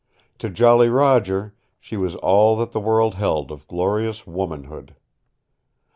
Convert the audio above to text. To Jolly Roger she was all that the world held of glorious womanhood.